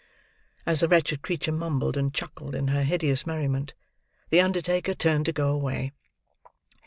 As the wretched creature mumbled and chuckled in her hideous merriment, the undertaker turned to go away.